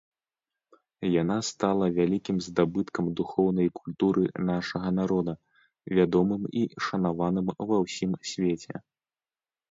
Яна стала вялікім здабыткам духоўнай культуры нашага народа, вядомым і шанаваным ва ўсім свеце.